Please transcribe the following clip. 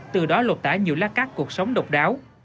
từ đó lột tải nhiều lá cắt cuộc sống độc đáo